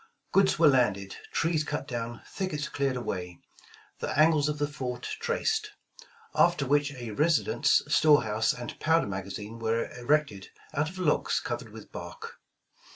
Goods were landed, trees cut down, thickets cleared away, the angles of the fort traced; after which a resi 162 Voyage of the Tonquin dence, store house, and powder magazine were erected out of logs covered with bark.